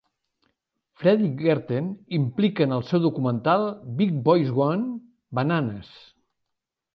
Fredrik Gertten implica en el seu documental Big Boys Gone Bananes!